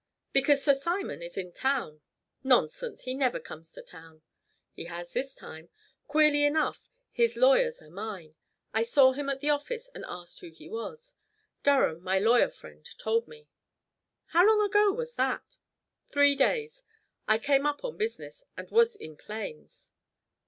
"Because Sir Simon is in town." "Nonsense. He never comes to town." "He has this time. Queerly enough, his lawyers are mine. I saw him at the office and asked who he was. Durham, my lawyer friend, told me." "How long ago was that?" "Three days. I came up on business, and was in plains!"